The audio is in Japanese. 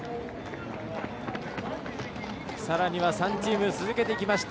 さらには３チーム続けてきました。